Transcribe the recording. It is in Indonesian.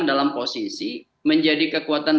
dalam posisi menjadi kekuatan